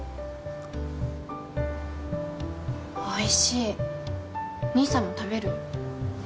おいしい兄さんも食べる？